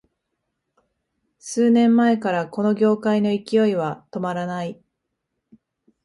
数年前からこの業界の勢いは止まらない